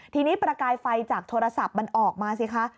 ทีนี้ประกายไฟจากโทรศัพท์มันออกมาสิคะ